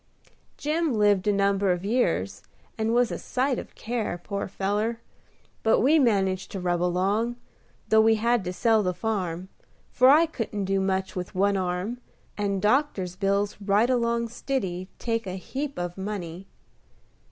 Jim lived a number of years, and was a sight of care, poor feller; but we managed to rub along, though we had to sell the farm: for I couldn't do much with one arm, and doctor's bills right along stiddy take a heap of money.